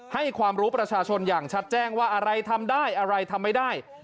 ให้ความรู้ประชาชนอย่างชัดแจ้งว่าอะไรทำได้อะไรทำไม่ได้